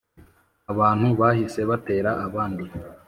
Abantu bahise batera abandi